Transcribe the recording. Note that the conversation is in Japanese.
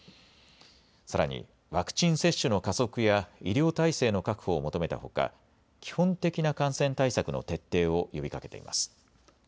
さらにワクチン接種の加速や医療体制の確保を求めたほか基本的な感染対策の徹底を呼びかけています。